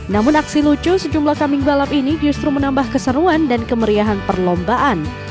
namun aksi lucu sejumlah kambing balap ini justru menambah keseruan dan kemeriahan perlombaan